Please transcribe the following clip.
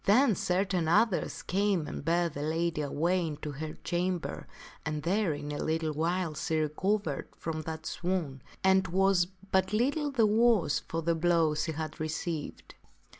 Then certain others came and bare the lady away into her cham ber, and there in a little while she recovered from that swoon and was but little the worse for the blow she had received.